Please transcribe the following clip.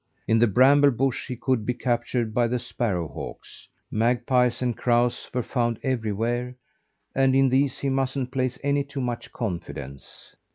In the bramble bush he could be captured by the sparrow hawks; magpies and crows were found everywhere and in these he mustn't place any too much confidence.